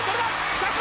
北島！